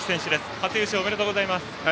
初優勝おめでとうございます。